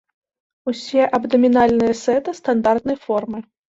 Усе абдамінальныя сеты стандартнай формы.